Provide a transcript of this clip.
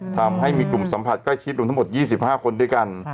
ทำให้มีกลุ่มสัมผัสใกล้ชิดรวมทั้งหมด๒๕คนด้วยกัน